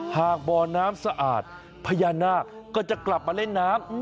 บ่อน้ำสะอาดพญานาคก็จะกลับมาเล่นน้ำ